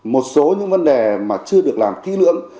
một số những vấn đề mà chưa được làm kỹ lưỡng